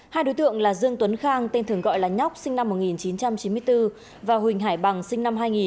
hai đối tượng là dương tuấn khang tên thường gọi là nhóc sinh năm một nghìn chín trăm chín mươi bốn và huỳnh hải bằng sinh năm hai nghìn